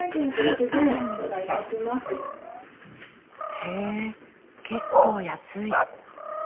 へえ結構安い。